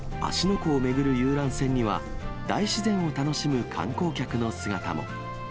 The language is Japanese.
湖を巡る遊覧船には、大自然を楽しむ観光客の姿も。